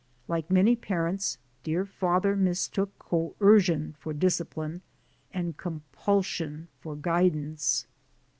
Like many parents, dear father mistook coercion for discipline and compulsion for guidance.